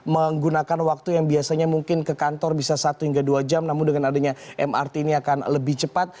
menggunakan waktu yang biasanya mungkin ke kantor bisa satu hingga dua jam namun dengan adanya mrt ini akan lebih cepat